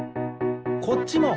こっちも！